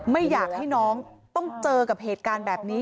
ไม่อยากให้น้องต้องเจอกับเหตุการณ์แบบนี้